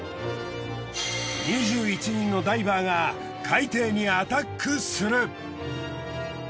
２１人のダイバーが海底にアタックする。